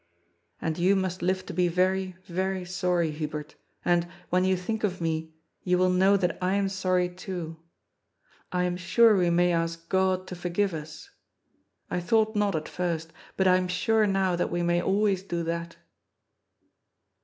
And you must live to be very, very sorry, Hubert, and, when you think of me, you will know that I am sorry too. I am sure we may ask God to forgive us. I thought not, at first, but I am sure now that we may always do that."